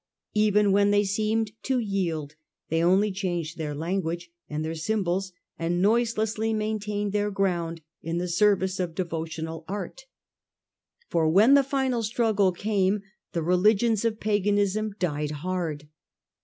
Even when they seemed to yield they only changed their language and their symbols, and noiselessly maintained their ground in the service of devotional art. A, H, Q 226 The Earlier Empire, For when the final struggle came the religions of paganism died hard.